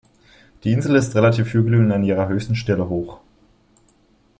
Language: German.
Die Insel ist relativ hügelig und an ihrer höchsten Stelle hoch.